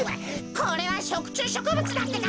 これはしょくちゅうしょくぶつだってか。